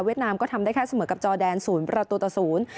เวียดนามก็ทำได้แค่เสมอกับจอแดน๐ประตูต่อ๐